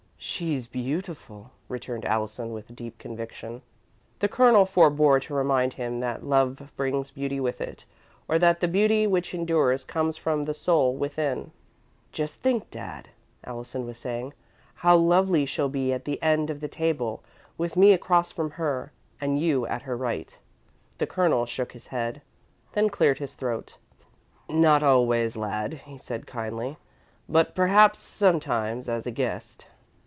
"She's beautiful," returned Allison, with deep conviction. The Colonel forebore to remind him that love brings beauty with it, or that the beauty which endures comes from the soul within. "Just think, Dad," Allison was saying, "how lovely she'll be at that end of the table, with me across from her and you at her right." The Colonel shook his head, then cleared his throat. "Not always, lad," he said, kindly, "but perhaps, sometimes as a guest."